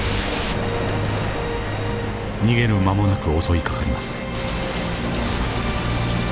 逃げる間もなく襲いかかります。